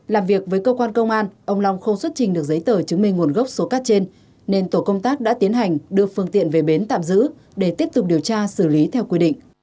làm việc với cơ quan công an ông long không xuất trình được giấy tờ chứng minh nguồn gốc số cát trên nên tổ công tác đã tiến hành đưa phương tiện về bến tạm giữ để tiếp tục điều tra xử lý theo quy định